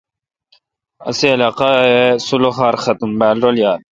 اوں علاقہ سلخار ختم بال رل یال۔